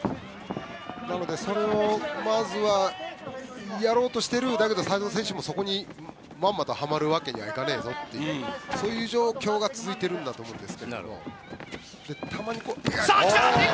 なので、それをまずはやろうとしているんだけど斎藤選手も、そこにまんまとはまるわけにはいかねえぞというそういう状況が続いていると思います。